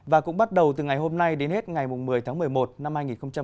và cũng bắt đầu từ ngày hôm nay đến hết ngày một mươi tháng một mươi một năm hai nghìn hai mươi